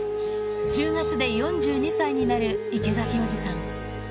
１０月で４２歳になる池崎おじさん